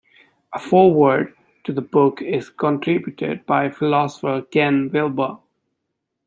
A foreword to the book is contributed by philosopher Ken Wilber.